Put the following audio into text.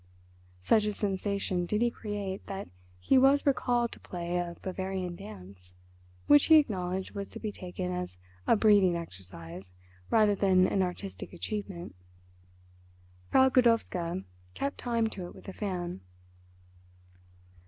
Such a sensation did he create that he was recalled to play a Bavarian dance, which he acknowledged was to be taken as a breathing exercise rather than an artistic achievement. Frau Godowska kept time to it with a fan.